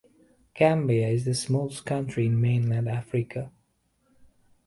Gambia is the smallest country in mainland Africa.